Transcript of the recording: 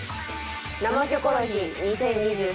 「生キョコロヒー２０２３」。